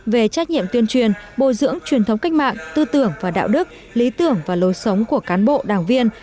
về trách nhiệm tuyên truyền bồi dưỡng truyền thống cách mạng tư tưởng và đạo đức lý tưởng và lối sống của cán bộ đảng viên